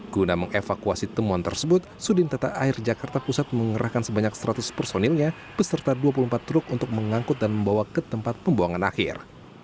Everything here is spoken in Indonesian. guna mengevakuasi temuan tersebut sudin tata air jakarta pusat mengerahkan sebanyak seratus personilnya beserta dua puluh empat truk untuk mengangkut dan membawa ke tempat pembuangan akhir